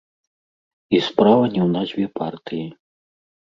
І справа не ў назве партыі.